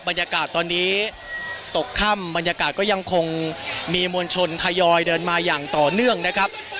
บรรยากาศตอนนี้ตกค่ำบรรยากาศก็ยังคงมีมวลชนทยอยเดินมาอย่างต่อเนื่องนะครับ